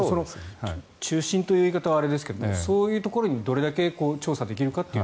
中心というとあれですけどそういうところにどれだけ調査できるかと。